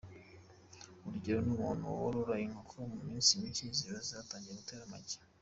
Urugero, umuntu worora inkoko mu minsi micye ziba zatangiye gutera amagi.